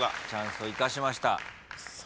チャンスを生かしました。